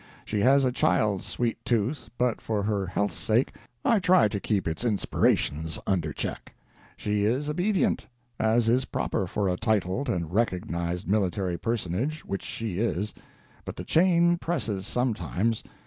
She has a child's sweet tooth, but for her health's sake I try to keep its inspirations under check. She is obedient—as is proper for a titled and recognized military personage, which she is—but the chain presses sometimes.